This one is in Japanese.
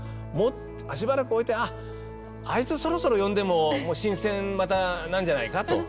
しばらく置いてあいつそろそろ呼んでも新鮮なんじゃないかと。